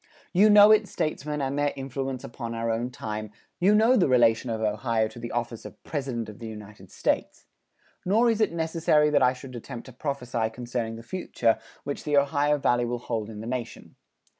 You know its statesmen and their influence upon our own time; you know the relation of Ohio to the office of President of the United States! Nor is it necessary that I should attempt to prophesy concerning the future which the Ohio Valley will hold in the nation.